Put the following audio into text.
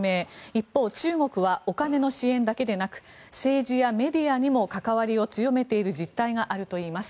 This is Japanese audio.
一方、中国はお金の支援だけでなく政治やメディアにも関わりを強めている実態があるといいます。